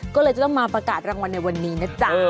ก็เลยจะต้องมาประกาศรางวัลในวันนี้นะจ๊ะ